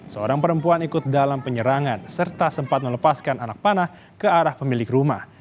seorang perempuan ikut dalam penyerangan serta sempat melepaskan anak panah ke arah pemilik rumah